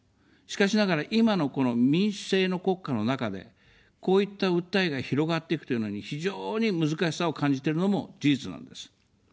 しかしながら今のこの民主制の国家の中で、こういった訴えが広がっていくというのに非常に難しさを感じてるのも事実なんです。